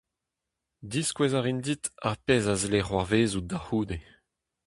Diskouez a rin dit ar pezh a zle c’hoarvezout da c’houde.